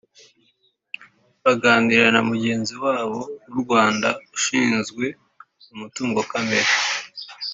baganire na mugenzi wabo w’u Rwanda ushinzwe Umutungo Kamere